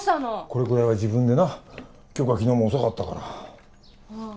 これくらいは自分でな杏花昨日も遅かったからああ